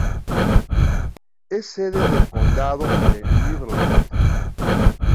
Es sede del condado de Midland.